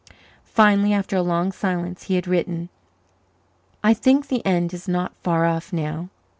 Finally, after a long silence, he had written: I think the end is not far off now.